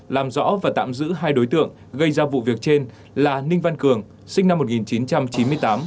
làm rõ và tạm giữ hai đối tượng gây ra vụ việc trên là ninh văn cường sinh năm một nghìn chín trăm chín mươi tám